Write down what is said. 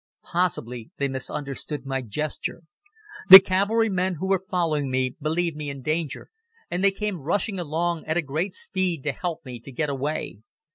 Possibly, they misunderstood my gesture. The cavalrymen who were following me believed me in danger, and they came rushing along at a great speed to help me to get away.